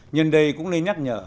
nhân đây cũng nên nhắc nhở